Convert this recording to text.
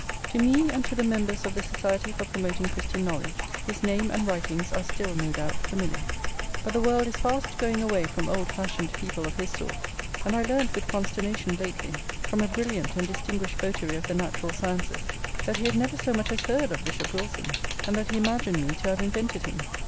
To me and to the members of the Society for Promoting Christian Knowledge his name and writings are still, no doubt, familiar; but the world is fast going away from old fashioned people of his sort, and I learnt with consternation lately from a brilliant and distinguished votary of the natural sciences, that he had never so much as heard of Bishop Wilson, and that he imagined me to have invented him.